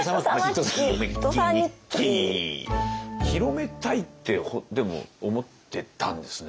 広めたいってでも思ってたんですね。